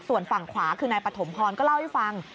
ส่วนฝั่งขวาคือนายปฐมพรก็เล่าให้ฟัง